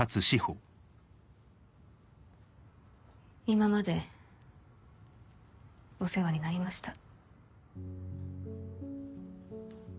今までお世話になりました。